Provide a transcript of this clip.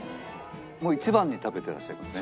もう一番に食べてらっしゃいますね。